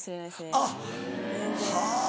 あっはぁ。